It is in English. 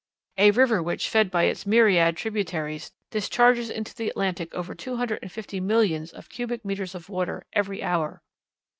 "A river which, fed by its myriad tributaries, discharges into the Atlantic over two hundred and fifty millions of cubic meters of water every hour."